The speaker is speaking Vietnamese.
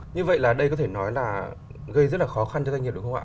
như vậy là đây có thể nói là gây rất là khó khăn cho doanh nghiệp đúng không ạ